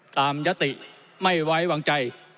ตามยัตติไม่ไหววางใจ